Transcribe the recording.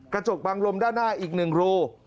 กระจกบังลมด้านหน้าอีก๑รู